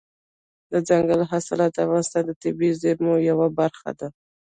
دځنګل حاصلات د افغانستان د طبیعي زیرمو یوه برخه ده.